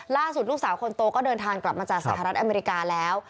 ล่าสุดลูกสาวคนโตก็เดินทางกลับมาจากสหรัฐอเมริกาแล้ว